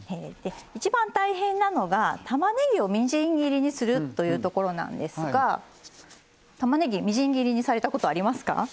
一番大変なのがたまねぎをみじん切りにするというところなんですがたまねぎみじん切りにされたことありますか？